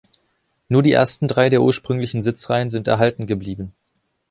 Nur die ersten drei der ursprünglichen Sitzreihen sind erhalten geblieben.